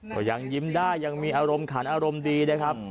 ก็ยังยิ้มได้ยังมีอารมณ์ขันอารมณ์ดีนะครับ